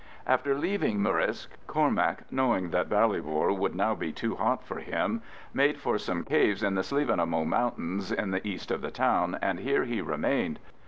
After leaving Murrisk, Cormac, knowing that Ballybor would now be too hot for him, made for some caves in the Slievenamoe Mountains to the east of the town, and here he remained.